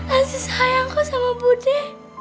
asli sayangku sama budi